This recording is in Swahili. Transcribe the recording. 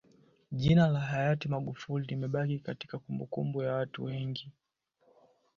jina la hayari magufuli limebaki katika kumbukumbu za watu wengi